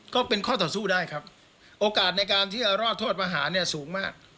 ก็เป็นข้อต่อสู้ได้ครับโอกาสในการที่จะรอดโทษประหารเนี่ยสูงมาก